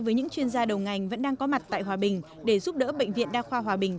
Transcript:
với những chuyên gia đầu ngành vẫn đang có mặt tại hòa bình để giúp đỡ bệnh viện đa khoa hòa bình